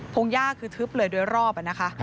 พงญาคือทึบเหลือด้วยรอบนะคะ